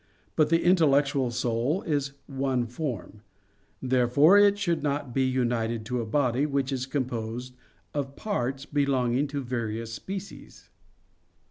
But the intellectual soul is one form. Therefore, it should not be united to a body which is composed of parts belonging to various species.